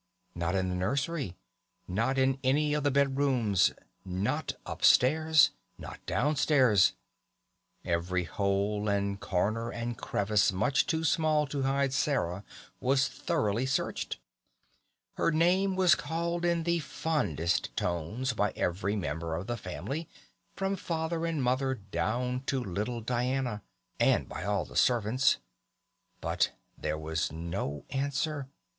Not in the nursery, not in any of the bedrooms, not upstairs, not downstairs; every hole and corner and crevice much too small to hide Sarah was thoroughly searched. Her name was called in the fondest tones by every member of the family from father and mother down to little Diana, and by all the servants, but there was no answer.